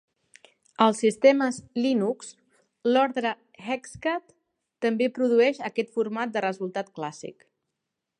Als sistemes Linux, l'ordre "hexcat" també produeix aquest format de resultat clàssic.